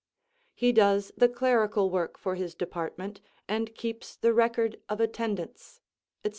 He does the clerical work for his department and keeps the record of attendance, etc.